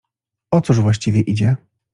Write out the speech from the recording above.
— O cóż właściwie idzie?